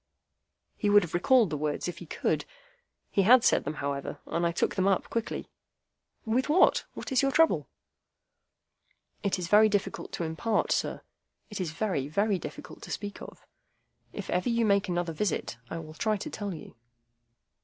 He would have recalled the words if he could. He had said them, however, and I took them up quickly. "With what? What is your trouble?" "It is very difficult to impart, sir. It is very, very difficult to speak of. If ever you make me another visit, I will try to tell you."